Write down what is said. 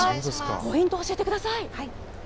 ポイントを教えてください。